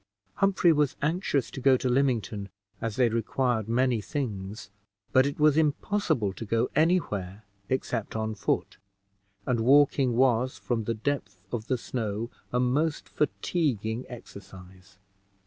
Humphrey was anxious to go to Lymington, as they required many things but it was impossible to go any where except on foot, and walking was, from the depth of the snow, a most fatiguing exercise.